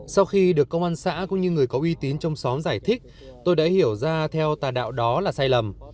sau khi được công an xã cũng như người có uy tín trong xóm giải thích tôi đã hiểu ra theo tà đạo đó là sai lầm